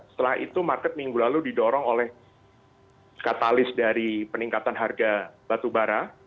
setelah itu market minggu lalu didorong oleh katalis dari peningkatan harga batubara